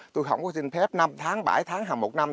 tôi không có xin phép năm tháng bảy tháng hay một năm